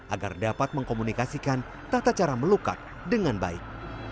agar dapat mengkomunikasikan tata cara melukat dengan baik